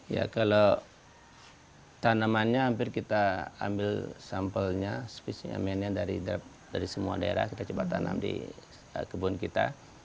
ya kalau tanamannya hampir kita ambil sampelnya spesimennya dari semua daerah kita coba tanam di kebun kita